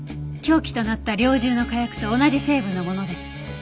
凶器となった猟銃の火薬と同じ成分のものです。